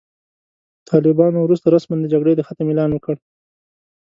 طالبانو وروسته رسماً د جګړې د ختم اعلان وکړ.